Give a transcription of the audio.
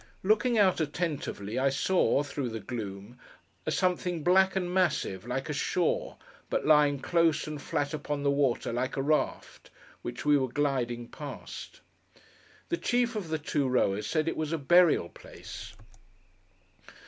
Looking out attentively, I saw, through the gloom, a something black and massive—like a shore, but lying close and flat upon the water, like a raft—which we were gliding past. The chief of the two rowers said it was a burial place.